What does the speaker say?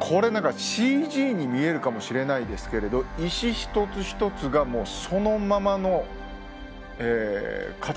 これ何かＣＧに見えるかもしれないですけれど石一つ一つがそのままの形です。